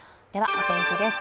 お天気です。